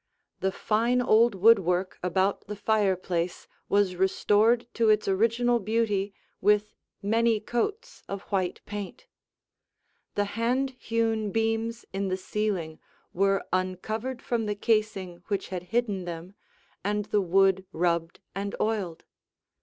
The fine old woodwork about the fireplace was restored to its original beauty with many coats of white paint. The hand hewn beams in the ceiling were uncovered from the casing which had hidden them, and the wood rubbed and oiled.